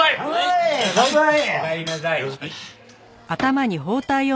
おかえりなさい。